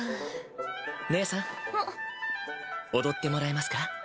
義姉さん踊ってもらえますか？